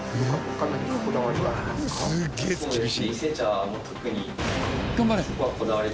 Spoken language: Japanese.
そうですね。